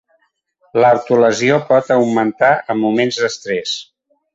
L'autolesió pot augmentar en moments d'estrès.